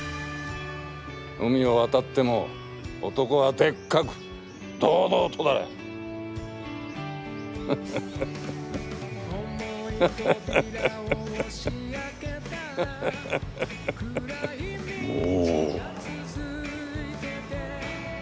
海を渡っても男はでっかく堂々とだ！モ。